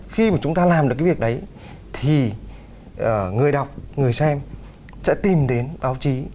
khi mà chúng ta làm được cái việc đấy thì người đọc người xem sẽ tìm đến báo chí